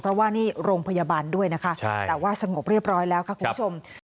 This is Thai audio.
เพราะว่านี่โรงพยาบาลด้วยนะคะแต่ว่าสงบเรียบร้อยแล้วค่ะคุณผู้ชม